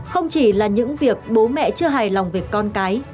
không chỉ là những việc bố mẹ chưa hài lòng về con cái